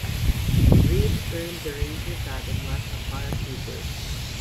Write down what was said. Reed earned the Ranger Tab and was a paratrooper.